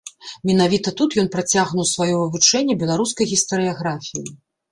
Менавіта тут ён працягнуў сваё вывучэнне беларускай гістарыяграфіі.